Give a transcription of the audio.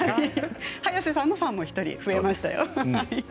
早瀬さんのファンも１人増えましたよ。